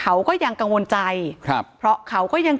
ถ้าใครอยากรู้ว่าลุงพลมีโปรแกรมทำอะไรที่ไหนยังไง